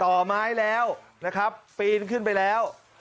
ต่อไม้แล้วนะครับปีนขึ้นไปแล้ว